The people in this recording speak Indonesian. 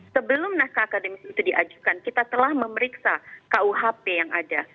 sebelum naskah akademisi itu diajukan kita telah memeriksa kuhp yang ada